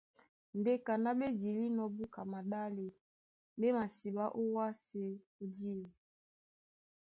Ndé kaná ɓé dilínɔ̄ búka maɗále, ɓé masiɓá ówásē ó diɔ.